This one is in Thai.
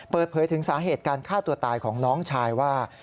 เปิดเผยถึงสาเหตุการฆ่าตัวตายของน้องชายว่า